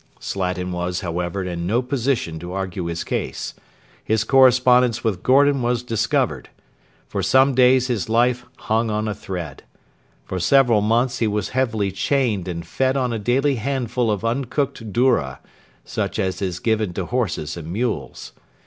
Slatin was, however, in no position to argue his case. His correspondence with Gordon was discovered. For some days his life hung on a thread. For several months he was heavily chained and fed on a daily handful of uncooked doura, such as is given to horses and mules.